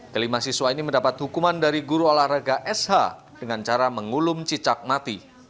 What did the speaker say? kelima siswa ini mendapat hukuman dari guru olahraga sh dengan cara mengulum cicak mati